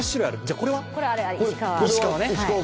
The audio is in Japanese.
これは石川県。